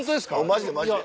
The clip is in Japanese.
マジでマジで。